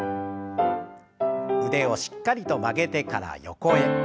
腕をしっかりと曲げてから横へ。